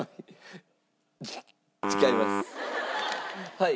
はい。